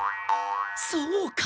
そうか！